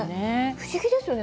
不思議ですよね